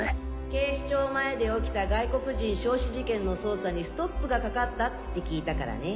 警視庁前で起きた外国人焼死事件の捜査にストップがかかったって聞いたからね。